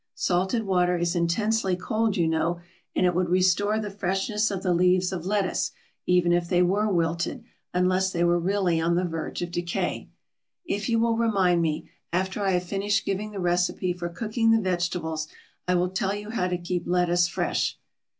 Salted water is intensely cold, you know, and it would restore the freshness of the leaves of lettuce, even if they were wilted, unless they were really on the verge of decay. If you will remind me, after I have finished giving the recipe for cooking the vegetables, I will tell you how to keep lettuce fresh.